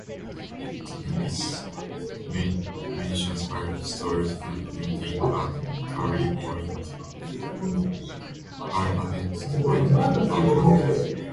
The Navy's munitions are stored and maintained at Kauri Point Armament Depot in Auckland.